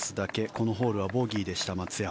このホールはボギーでした松山。